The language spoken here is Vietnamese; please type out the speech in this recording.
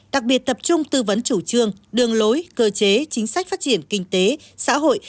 đặc biệt tập trung tư vấn chủ trương đường lối cơ chế chính sách phát triển kinh tế xã hội